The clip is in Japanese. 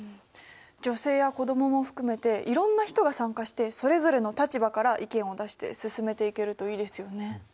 女性や子どもも含めていろんな人が参加してそれぞれの立場から意見を出して進めていけるといいですよね。